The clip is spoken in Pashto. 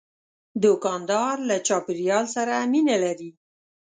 دوکاندار له چاپیریال سره مینه لري.